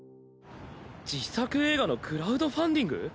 自作映画のクラウドファンディング？